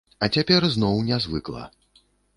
А цяпер зноў нязвыкла.